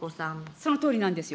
そのとおりなんですよ。